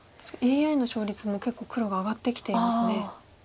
ＡＩの勝率も結構黒が上がってきていますね。